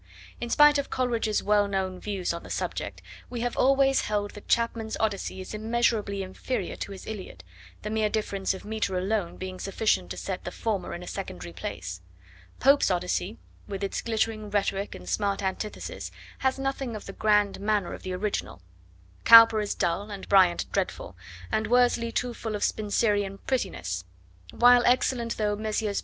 In spite of Coleridge's well known views on the subject, we have always held that Chapman's Odyssey is immeasurably inferior to his Iliad, the mere difference of metre alone being sufficient to set the former in a secondary place; Pope's Odyssey, with its glittering rhetoric and smart antithesis, has nothing of the grand manner of the original; Cowper is dull, and Bryant dreadful, and Worsley too full of Spenserian prettinesses; while excellent though Messrs.